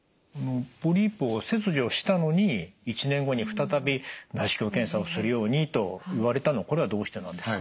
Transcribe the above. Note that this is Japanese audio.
ポリープを切除したのに１年後に再び内視鏡検査をするようにと言われたのはこれはどうしてなんですか？